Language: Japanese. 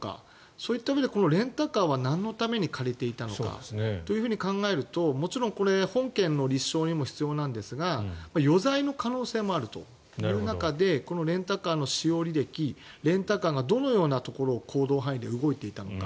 そういった意味でレンタカーはなんのために借りていたかと考えるともちろんこれ、本件の立証にも必要ですが余罪の可能性もあるという中でこのレンタカーの使用履歴レンタカーがどのようなところを行動範囲で動いていたのか。